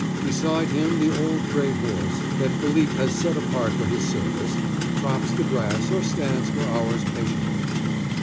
Beside him the old gray horse, that Philippe has set apart for his service, crops the grass or stands for hours patiently.